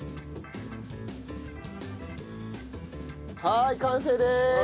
はい完成です！